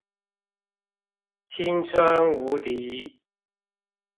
青春無敵